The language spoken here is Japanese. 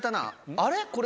あれ？